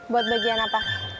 buat bagian apa